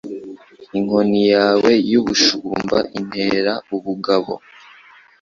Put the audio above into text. inkoni yawe y’ubushumba intera ubugabo